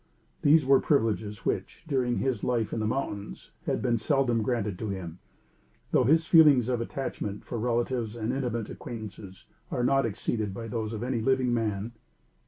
These were privileges which, during his life in the mountains, had been seldom granted to him, though his feelings of attachment for relatives and intimate acquaintances are not exceeded by those of any living man.